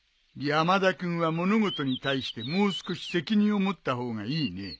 山田君は物事に対してもう少し責任を持った方がいいね。